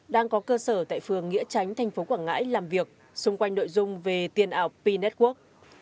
đang có cơ sở tại phường nghĩa tránh thành phố quảng ngãi làm việc xung quanh nội dung về tiền ảo p network